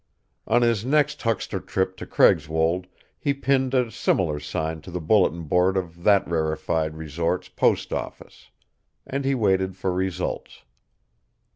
On his next huckster trip to Craigswold he pinned a similar sign to the bulletin board of that rarefied resort's post office. And he waited for results.